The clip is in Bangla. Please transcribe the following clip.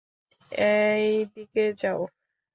এই দিকে যাও।